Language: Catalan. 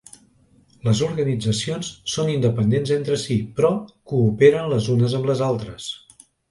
Les organitzacions són independents entre si, però cooperen les unes amb les altres.